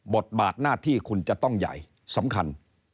บทบาทหน้าที่คุณจะต้องใหญ่สำคัญ